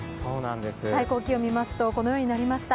最高気温、見ますとこのようになりました。